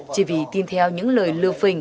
chỉ vì tin theo những lời lừa phỉnh